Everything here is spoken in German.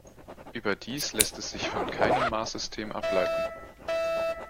Überdies lässt es sich von keinem Maßsystem ableiten.